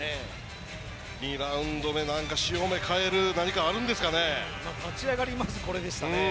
２ラウンド目、潮目変える何かあるんですかね。